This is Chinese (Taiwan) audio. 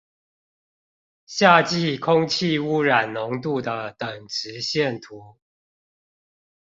夏季空氣污染濃度的等值線圖